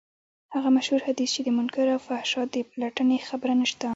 هغه مشهور حديث کې د منکر او فحشا د پلټنې خبره نشته.